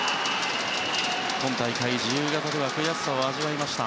今大会、自由形では悔しさも味わいました。